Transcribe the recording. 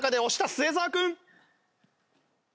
末澤君。